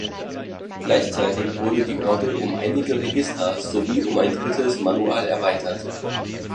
Gleichzeitig wurde die Orgel um einige Register sowie um ein drittes Manual erweitert.